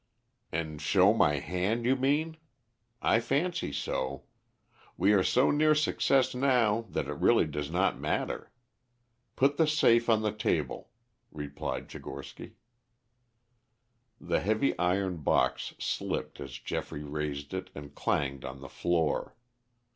"And show my hand, you mean? I fancy so. We are so near success now that it really does not matter. Put the safe on the table," replied Tchigorsky. The heavy iron box slipped as Geoffrey raised it and clanged on the floor.